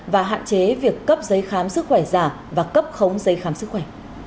và hạn chế việc cấp giấy khám sức khỏe giả và cấp khống giấy khám sức khỏe